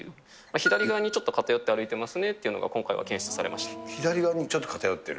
左側にちょっと偏って歩いてますねっていうのが、今回は検出され左側にちょっと偏ってる。